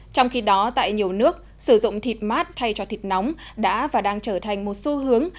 trong khi đó tại nhiều nước sử dụng thịt mát thay cho thịt nóng đã và đang trở thành một xu hướng